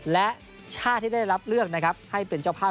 และชาติที่ได้รับเลือกนะครับให้เป็นเจ้าภาพ